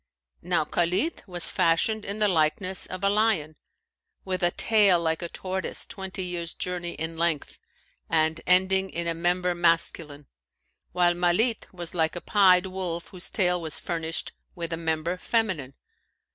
Now Khalνt was fashioned in the likeness of a lion, with a tail like a tortoise twenty years' journey in length and ending in a member masculine; while Malνt was like a pied wolf whose tail was furnished with a member feminine.